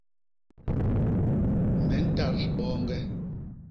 Me ntat boñge.